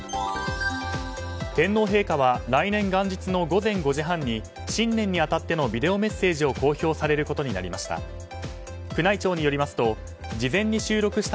天皇陛下は来年元日の午前５時半に新年に当たってのビデオメッセージを公表されることになりました。